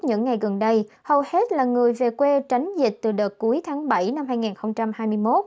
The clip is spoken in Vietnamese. những ngày gần đây hầu hết là người về quê tránh dịch từ đợt cuối tháng bảy năm hai nghìn hai mươi một